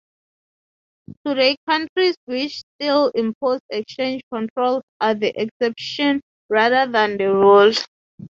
Today, countries which still impose exchange controls are the exception rather than the rule.